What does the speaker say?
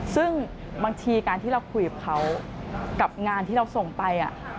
ซึ่งบางทีการที่เราคุยกับเขากับงานที่เราส่งไป